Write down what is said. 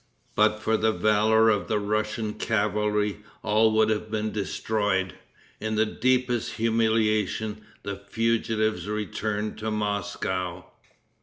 But for the valor of the Russian cavalry all would have been destroyed. In the deepest humiliation the fugitives returned to Moscow.